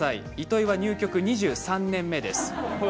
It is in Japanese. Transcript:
糸井は入局２３年目です。